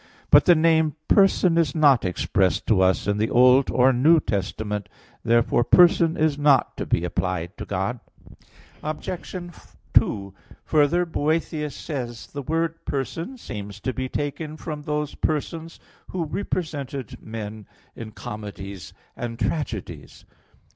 But the name "person" is not expressed to us in the Old or New Testament. Therefore "person" is not to be applied to God. Obj. 2: Further, Boethius says (De Duab. Nat.): "The word person seems to be taken from those persons who represented men in comedies and tragedies.